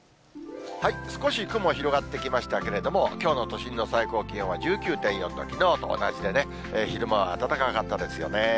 少し雲、広がってきましたけれども、きょうの都心の最高気温は１９．４度、きのうと同じでね、昼間は暖かかったですよね。